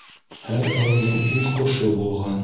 Һәр ырыуҙың үҙ ҡошо булған